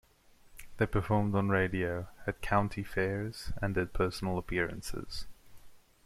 They performed on radio, at county fairs, and did personal appearances.